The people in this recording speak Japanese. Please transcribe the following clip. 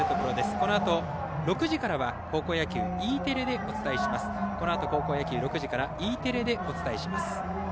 このあと６時からは高校野球Ｅテレでお伝えします。